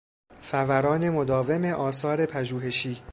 فوران مداوم آثار پژوهشی